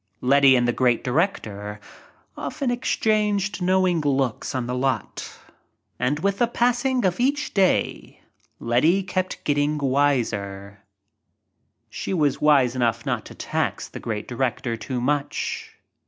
^ Letty and the great director often exchanged knowing glances on the lot. And with the passing of each day Letty kept growing wiser. She was wise enough not to tax the great director too much.